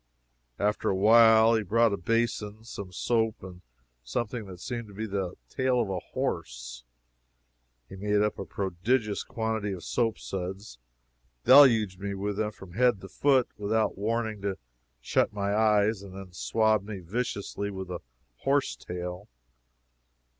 After a while he brought a basin, some soap, and something that seemed to be the tail of a horse. He made up a prodigious quantity of soap suds, deluged me with them from head to foot, without warning me to shut my eyes, and then swabbed me viciously with the horse tail.